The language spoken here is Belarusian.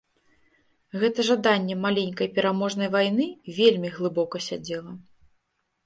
Гэта жаданне маленькай пераможнай вайны вельмі глыбока сядзела.